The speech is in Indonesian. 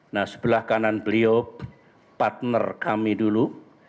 nah sebelah kanan beliau partner kami dulu